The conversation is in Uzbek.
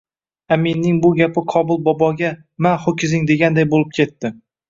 Aminning bu gapi Qobil boboga Ma, ho‘kizing deganday bo‘lib ketdi